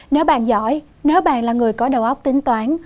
nếu bạn giỏi nếu bạn là người có đầu óc tính toán